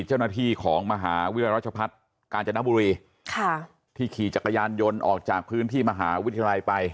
เจ้าหน้าที่ของมหาวิทยารัชพัฒน์กาญจนบุรีค่ะที่ขี่จักรยานยนต์ออกจากพื้นที่มหาวิทยาลัยไป